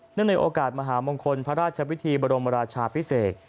ในโอกาสมหามงคลพระราชวิธีบรมราชาพิเศษ